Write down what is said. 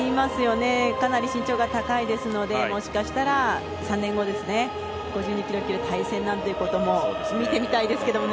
かなり身長が高いですのでもしかしたら、３年後に５２ｋｇ級対戦というのも見てみたいですね。